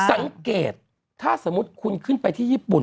สังเกตถ้าสมมุติคุณขึ้นไปที่ญี่ปุ่น